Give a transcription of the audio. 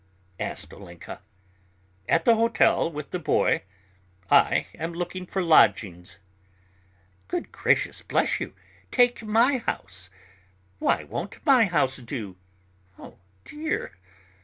asked Olenka. "At the hotel with the boy. I am looking for lodgings." "Good gracious, bless you, take my house. Why won't my house do? Oh, dear!